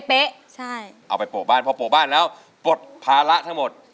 เป๊ะใช่เอาไปโปะบ้านพอโปะบ้านแล้วปลดภาระทั้งหมด